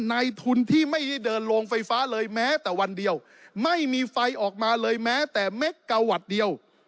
ในทุนที่ไม่ได้เดินโรงไฟฟ้าเลยแม้แต่วันเดียวไม่มีไฟออกมาเลยแม้แต่เม็กกาวัตต์เดียว